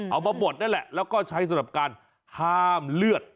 มาบดนั่นแหละแล้วก็ใช้สำหรับการห้ามเลือด